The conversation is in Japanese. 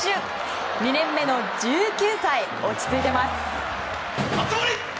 ２年目の１９歳落ち着いています。